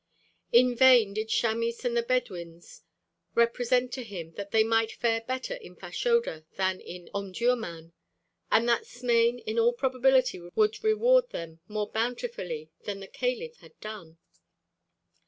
In vain did Chamis and the Bedouins represent to him that they might fare better in Fashoda than in Omdurmân, and that Smain in all probability would reward them more bountifully than the caliph had done.